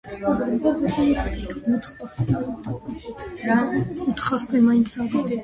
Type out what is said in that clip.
ბრუსილოვის რაიონის ადმინისტრაციული ცენტრია ქალაქი ბრუსილოვი.